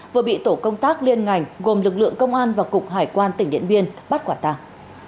vừa bị tổ công tác liên ngành gồm lực lượng công an và cục hải quan tỉnh điện biên bắt quả tàng